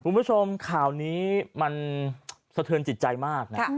คุณผู้ชมข่าวนี้มันสะเทือนจิตใจมากนะ